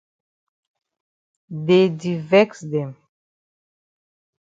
Dey di vex dem.